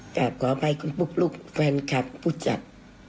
กาบขอไปคุณพกลูกแฟนคัปผู้จัด